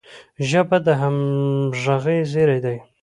ژبه د همږغی زیری دی.